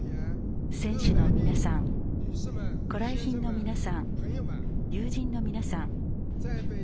選手の皆さんご来賓の皆さん、友人の皆さん